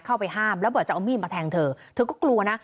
เข้าไปห้ามแล้วบอกจะเอามีดมาแทงเธอเธอก็กลัวนะ